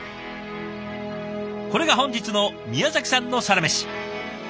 これが本日の宮崎さんのサラメシ。